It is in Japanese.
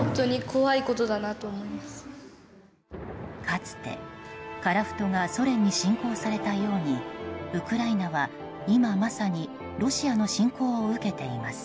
かつて、樺太がソ連に侵攻されたようにウクライナは今まさにロシアの侵攻を受けています。